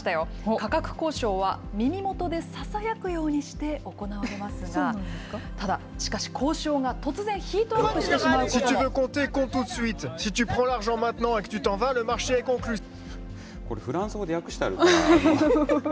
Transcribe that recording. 価格交渉は耳元でささやくようにして行われますが、ただ、しかし交渉が突然、ヒートアップしてしまうことも。